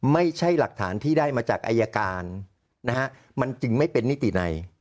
ไม่ใช่หลักฐานที่ได้มาจากอายการนะฮะมันจึงไม่เป็นนิติใน